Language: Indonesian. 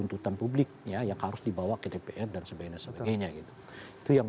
bahan sebelumnya ini adalah okses paint